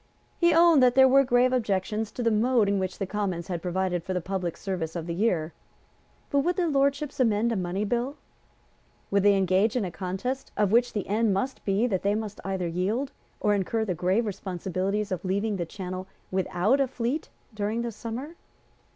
He owned that there were grave objections to the mode in which the Commons had provided for the public service of the year. But would their Lordships amend a money bill? Would they engage in a contest of which the end must be that they must either yield, or incur the grave responsibility of leaving the Channel without a fleet during the summer?